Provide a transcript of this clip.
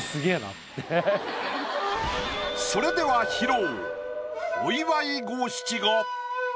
それでは披露。